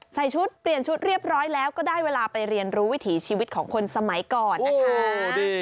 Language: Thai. ใส่ชุดเปลี่ยนชุดเรียบร้อยแล้วก็ได้เวลาไปเรียนรู้วิถีชีวิตของคนสมัยก่อนนะคะ